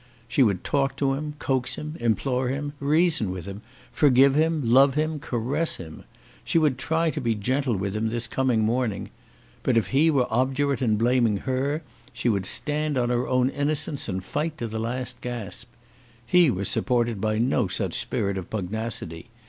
She would talk to him, coax him, implore him, reason with him, forgive him, love him, and caress him. She would try to be gentle with him this coming morning. But if he were obdurate in blaming her, she would stand on her own innocence and fight to the last gasp. He was supported by no such spirit of pugnacity.